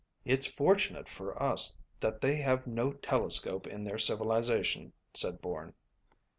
"It's fortunate for us that they have no telescope in their civilisation," said Bourne.